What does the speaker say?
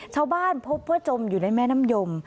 ชาวบ้านพบว่าจมอยู่ในแม่น้ำยม